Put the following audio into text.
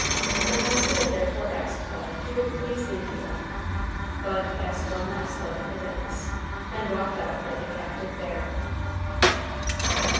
The constable therefore asked Bud if he would please leave the room. Bud cast one last look at the witness and walked out like a captive bear.